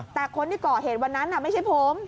แต่คนที่ก่อเหตุวันนั้นไม่ใช่ผม